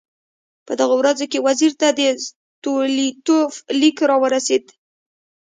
په دغو ورځو کې وزیر ته د ستولیتوف لیک راورسېد.